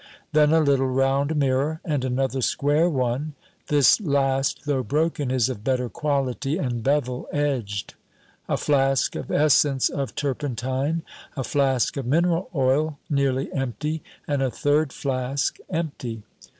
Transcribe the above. Then a little round mirror, and another square one; this last, though broken, is of better quality, and bevel edged. A flask of essence of turpentine, a flask of mineral oil nearly empty, and a third flask, empty.